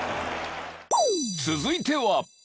続いては